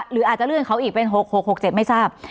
หรืออาจจะเลื่อนเขาอีกเป็น๖๖๖๗ไม่ทราบ